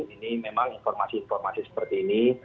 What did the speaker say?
ini memang informasi informasi seperti ini